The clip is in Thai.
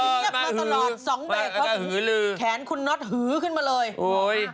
เออมาฮือมาฮื้อ๒แบบเสียงแขนขุนน็อตฮื้อขึ้นมาเลย